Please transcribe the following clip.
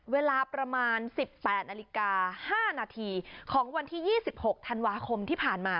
เวลาประมาณ๑๘นาฬิกา๕นาทีของวันที่๒๖ธันวาคมที่ผ่านมา